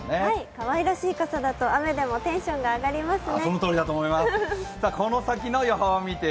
かわいらしい傘だと雨でもテンションが上がりますね。